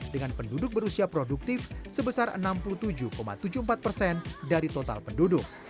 dengan penduduk berusia produktif sebesar enam puluh tujuh tujuh puluh empat persen dari total penduduk